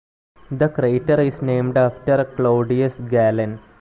The crater is named after Claudius Galen.